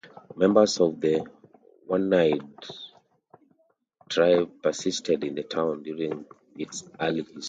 Members of the Oneida tribe persisted in the town during its early history.